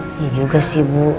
alasan mereka tuh berkelahi itu apa